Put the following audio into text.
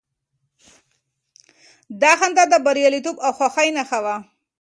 دا خندا د برياليتوب او خوښۍ نښه وه.